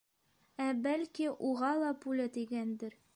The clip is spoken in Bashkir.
Ә, бәлки, уға ла пуля тейгәндер?